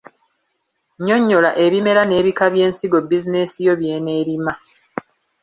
Nnyonnyola ebimera n’ebika by’ensigo bizinensi yo by’eneerima.